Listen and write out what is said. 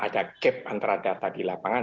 ada gap antara data di lapangan